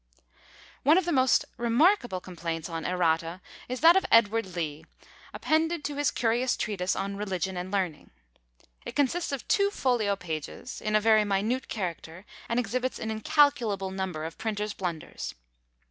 _ One of the most remarkable complaints on ERRATA is that of Edw. Leigh, appended to his curious treatise on "Religion and Learning." It consists of two folio pages, in a very minute character, and exhibits an incalculable number of printers' blunders.